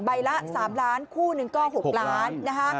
ละ๓ล้านคู่หนึ่งก็๖ล้านนะคะ